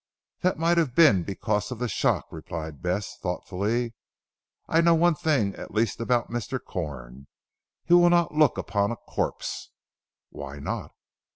"That might have been because of the shock," replied Bess thoughtfully, "I know one thing at least about Mr. Corn. He will not look upon a corpse." "Why not?"